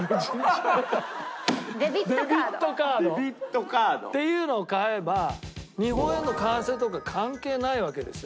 デビットカード？っていうのを買えば日本円の為替とか関係ないわけですよ。